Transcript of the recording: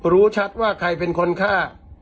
รู้ชัดว่าใครเป็นคนฆ่า